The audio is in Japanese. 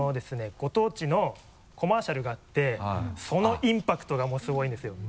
ご当地のコマーシャルがあってそのインパクトがすごいんですよ